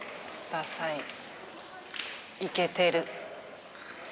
ださいイケてる。